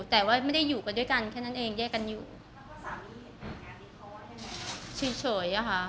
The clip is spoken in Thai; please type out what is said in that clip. แต่ว่าไม่ได้อยู่กันด้วยกันแค่นั้นเองได้กันอยู่ช่วยช่วยอ่ะค่ะ